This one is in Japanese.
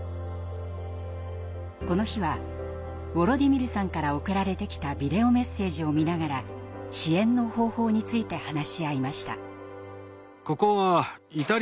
この日はウォロディミルさんから送られてきたビデオメッセージを見ながら支援の方法について話し合いました。